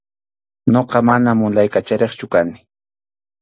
Ñuqa mana mulay kachariqchu kani.